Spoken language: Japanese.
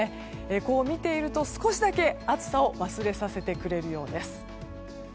こう見ていると少しだけ暑さを忘れさせてくれるようです。